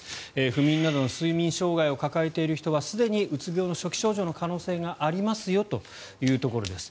不眠などの睡眠障害を抱えている人はすでに、うつ病の初期症状の可能性がありますよというところです。